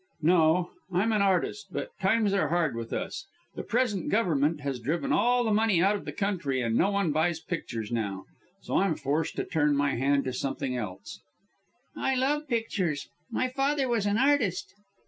"No! I'm an artist; but times are hard with us. The present Government has driven all the money out of the country and no one buys pictures now; so I'm forced to turn my hand to something else." "I love pictures. My father was an artist."